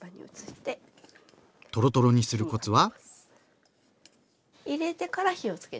トロトロにするコツは？